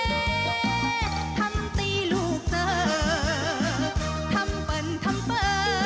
ทำตีลูกเจอทำเปิ่นทำเปอ